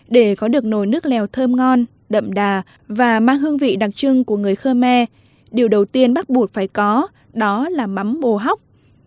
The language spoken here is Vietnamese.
để có được nồi nước lèo thơm ngon đậm đà và mang hương vị đặc trưng của người khơ me điều đầu tiên bắt buộc phải có đó là mắm bồ hóc